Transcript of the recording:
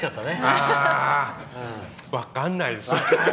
あ分かんないです。